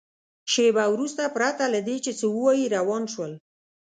شېبه وروسته پرته له دې چې څه ووایي روان شول.